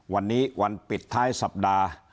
วันนี้วันปิดท้ายสัปดาห์